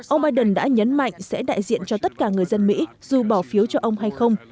ông biden đã nhấn mạnh sẽ đại diện cho tất cả người dân mỹ dù bỏ phiếu cho ông hay không